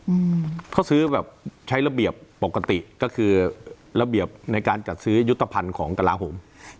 อืมเขาซื้อแบบใช้ระเบียบปกติก็คือระเบียบในการจัดซื้อยุทธภัณฑ์ของกระลาโหม